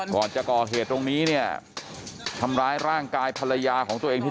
ก่อนจะก่อเหตุตรงนี้เนี่ยทำร้ายร่างกายภรรยาของตัวเองที่